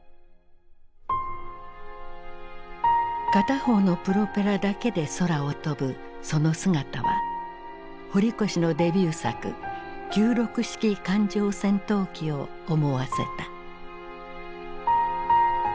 片方のプロペラだけで空を飛ぶその姿は堀越のデビュー作九六式艦上戦闘機を思わせた。